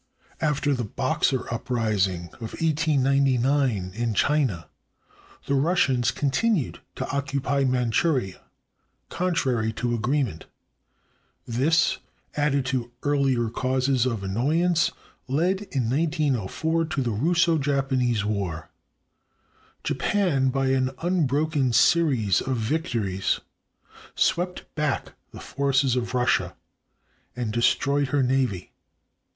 After the Boxer upris ing of 1899 in China, the Russians continued to occupy Manchuria, contrary to agreement. This, added to earlier causes of annoyance, led in 1904 to the Russo Japanese War. Japan by an unbroken series of victories swept back the forces of Russia and destroyed her navy.